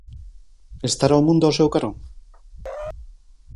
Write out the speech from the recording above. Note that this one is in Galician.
Estará o mundo ao seu carón?